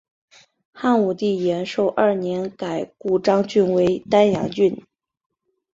汉武帝元狩二年改故鄣郡为丹阳郡。